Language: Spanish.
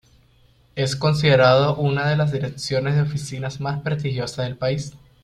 Es considerado una de las direcciones de oficinas más prestigiosas del país.